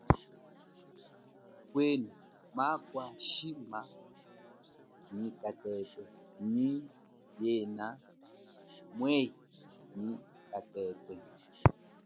Kwenu makwa shima nyi katete nyi yena mwehi nyi katete.